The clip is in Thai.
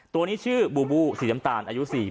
ตัวนี้ชื่อบูบูสีน้ำตาลอยู่๔ปีละ